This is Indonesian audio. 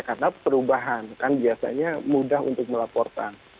karena perubahan kan biasanya mudah untuk melaporkan